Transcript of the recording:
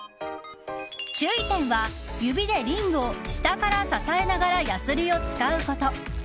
注意点は指でリングを下から支えながらヤスリを使うこと。